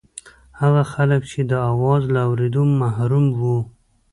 هغه خلک چې د اواز له اورېدو محروم وو.